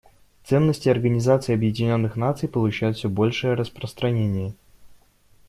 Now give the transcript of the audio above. Ценности Организации Объединенных Наций получают все большее распространение.